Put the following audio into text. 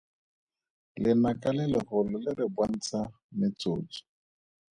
Lenaka le legolo le re bontsha metsotso.